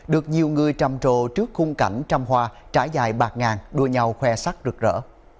được nhiều người trăm trồ trước khung cảnh trăm hoa trải dài bạt ngàn đua nhau khoe sắc rực rỡ